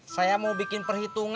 saya mau bikin perhitungan